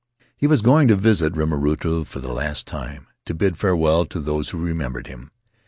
He was going to visit Rimarutu for the last time — to bid farewell to those who remembered him.